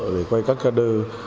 để quay các ca đơ